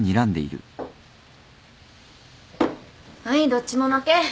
はいどっちも負け。